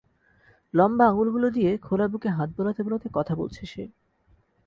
লম্বা আঙুলগুলো দিয়ে খোলা বুকে হাত বোলাতে বোলাতে কথা বলছে সে।